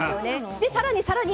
で更に更に。